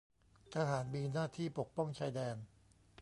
ทหารมีหน้าที่ปกป้องชายแดน